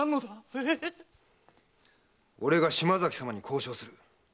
俺が島崎様に交渉する。